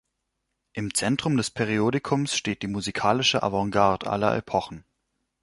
Im Zentrum des Periodikums steht die musikalische Avantgarde aller Epochen.